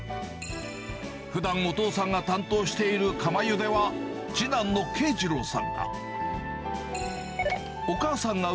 ふだん、お父さんが担当している釜ゆでは、次男のけいじろうさんが。